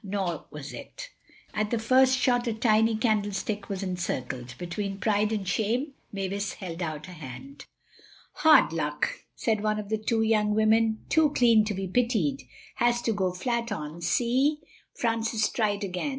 Nor was it. At the first shot a tiny candlestick was encircled. Between pride and shame Mavis held out a hand. "Hard luck," said one of the two young women, too clean to be pitied. "Has to go flat on—see?" Francis tried again.